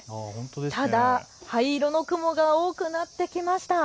ただ灰色の雲が多くなってきました。